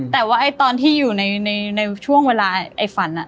แต่ว่าตอนที่อยู่ในช่วงเวลาไอ้ฝัน